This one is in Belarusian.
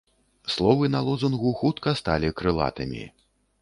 Словы на лозунгу хутка сталі крылатымі.